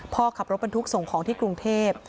ขับรถบรรทุกส่งของที่กรุงเทพ